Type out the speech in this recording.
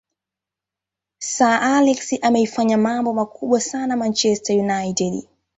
sir alex ameifanyia mambo makubwa sana manchester united